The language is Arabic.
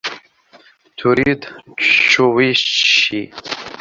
تريدين تشويشي.